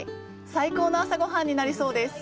最高の朝ごはんになりそうです！